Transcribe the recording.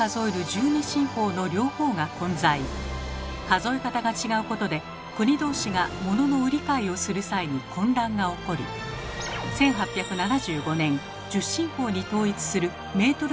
数え方が違うことで国同士がモノの売り買いをする際に混乱が起こり１８７５年１０進法に統一する「メートル条約」が結ばれました。